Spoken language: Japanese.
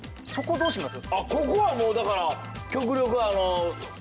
ここはもうだから極力。